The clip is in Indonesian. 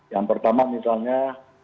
yang pertama misalnya